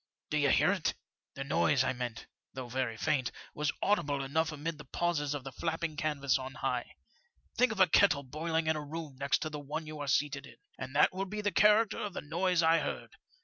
* Do you hear it ?'" The noise I meant, though very faint, was audible enough amid the pauses of the flapping canvas on high. Think of a kettle boiling in a room next to the one you are seated iq, and that will be the character of the noise I heard.